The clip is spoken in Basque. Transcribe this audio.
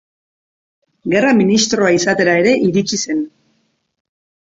Gerra Ministroa izatera ere iritsi zen.